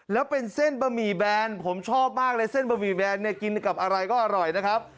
แล้วเป็นเส้นบะหมี่แบนผมชอบมากเลยเส้นบะหมี่แบนเนี่ยกินกับอะไรก็อร่อยนะครับ